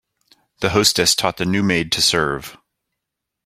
The hostess taught the new maid to serve.